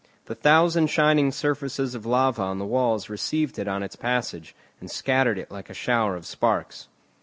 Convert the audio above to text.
The thousand shining surfaces of lava on the walls received it on its passage, and scattered it like a shower of sparks.